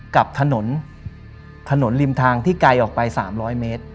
กับถนนถนนริมทางที่ไกลออกไป๓๐๐เมตร